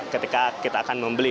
ketika kita akan membeli